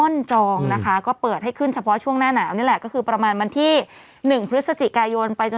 ลองบ้วยนี้๓๔ชั่วโมงก็เข้าเลยว่ากลับ